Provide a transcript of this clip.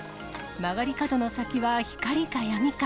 曲がり角の先は光か闇か。